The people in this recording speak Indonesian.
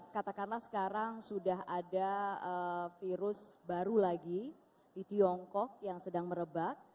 katakanlah sekarang sudah ada virus baru lagi di tiongkok yang sedang merebak